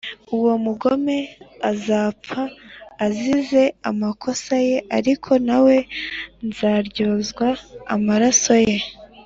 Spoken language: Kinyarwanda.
uwo mugome azapfa azize amakosa ye, ariko ni wowe nzaryoza amaraso ye